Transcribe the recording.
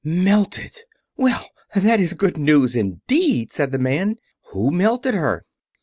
"Melted! Well, that is good news, indeed," said the man. "Who melted her?"